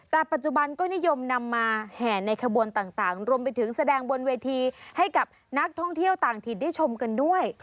แต่ปัจจุบันก็นิยมนำมาแห่ในขบวนต่างรวมไปถึงแสดงบนเวทีให้กับนักท่องเที่ยวต่างถิ่นได้ชมกันด้วย